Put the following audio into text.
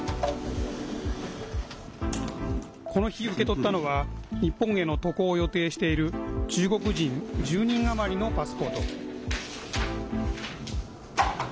この日、受け取ったのは日本への渡航を予定している中国人１０人余りのパスポート。